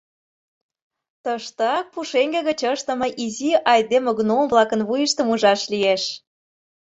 Тыштак пушеҥге гыч ыштыме изи айдеме гном-влакын вуйыштым ужаш лиеш.